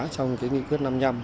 trong cái nghị quyết năm nhăm